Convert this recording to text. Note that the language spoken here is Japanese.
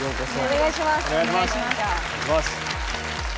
お願いします。